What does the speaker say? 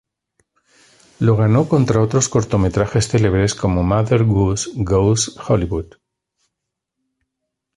Lo ganó contra otros cortometrajes celebres como Mother Goose Goes Hollywood.